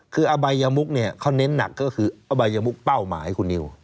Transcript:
คืออบายมุกเนี่ยเขาเน้นหนักก็คืออบัยมุกเป้าหมายคุณนิว